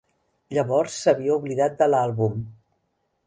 Llavors s'havia oblidat de l'àlbum.